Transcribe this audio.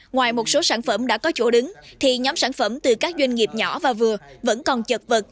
ngoài một số sản phẩm đã có chỗ đứng thì nhóm sản phẩm từ các doanh nghiệp nhỏ và vừa vẫn còn chật vật